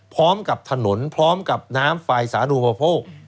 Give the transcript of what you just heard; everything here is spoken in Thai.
พร้อมกับถนนพร้อมกับน้ำไฟสานุปโภค